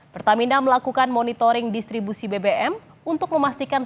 pertamina melakukan monitoring distribusi bbm untuk memastikan